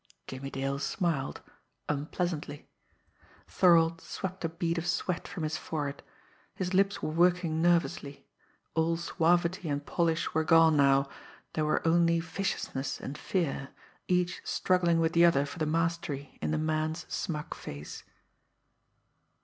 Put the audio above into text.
Jimmie Dale smiled unpleasantly. Thorold swept a bead of sweat from his forehead. His lips were working nervously. All suavity and polish were gone now; there were only viciousness and fear, each struggling with the other for the mastery in the man's smug face.